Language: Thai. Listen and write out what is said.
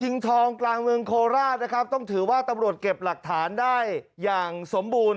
ทองกลางเมืองโคราชนะครับต้องถือว่าตำรวจเก็บหลักฐานได้อย่างสมบูรณ์